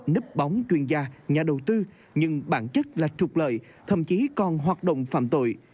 nấp bóng chuyên gia nhà đầu tư nhưng bản chất là trục lợi thậm chí còn hoạt động phạm tội